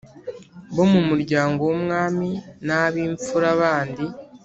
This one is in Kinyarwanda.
bo mu muryango w’umwami, n’ab’imfura bandi